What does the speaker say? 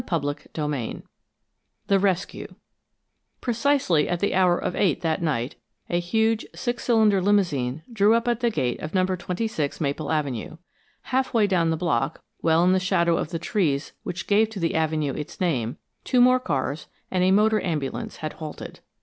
CHAPTER XVII THE RESCUE Precisely at the hour of eight that night, a huge six cylinder limousine drew up at the gate of Number Twenty six Maple Avenue. Half way down the block, well in the shadow of the trees which gave to the avenue its name, two more cars and a motor ambulance had halted.